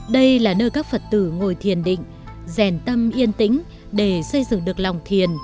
đây là nơi các phật tử ngồi thiền định rèn tâm yên tĩnh để xây dựng được lòng thiền